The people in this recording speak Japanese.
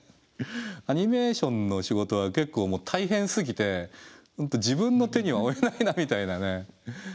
アニメーションの仕事は結構もう大変すぎて自分の手には負えないなみたいなね。